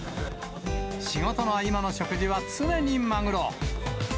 仕事の合間の食事は常にマグロ。